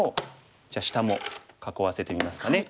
じゃあ下も囲わせてみますかね。